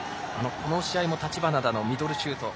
この試合も橘田のミドルシュート。